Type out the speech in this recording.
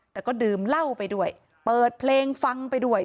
แต่ก็ดื่มเหล้าไปด้วยเปิดเพลงฟังไปด้วย